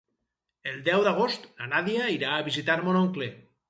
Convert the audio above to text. El deu d'agost na Nàdia irà a visitar mon oncle.